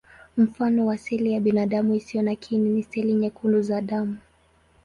Mfano wa seli ya binadamu isiyo na kiini ni seli nyekundu za damu.